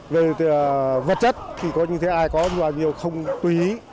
với vật chất thì coi như thế ai có nhiều không tùy